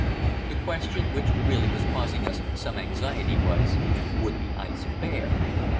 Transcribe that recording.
The question which really was causing us some anxiety was, "Would the ice bear?"